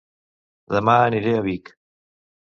Dema aniré a Vic